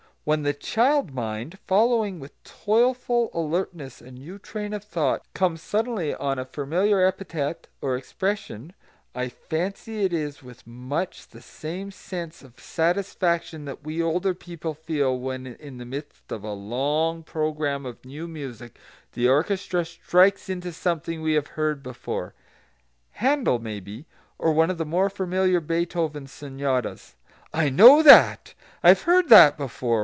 When the child mind, following with toilful alertness a new train of thought, comes suddenly on a familiar epithet or expression, I fancy it is with much the same sense of satisfaction that we older people feel when in the midst of a long programme of new music the orchestra strikes into something we have heard before, Handel, maybe, or one of the more familiar Beethoven sonatas. "I know that! I have heard that before!"